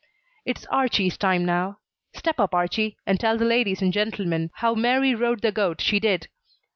"It's Archie's time now. Step up, Archie, and tell the ladies and gentlemen how 'Mary Rode the Goat, She Did.'